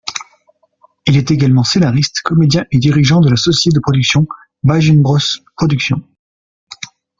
Il est également scénariste, comédien et dirigeant de la société de production Wajnbrosse Productions.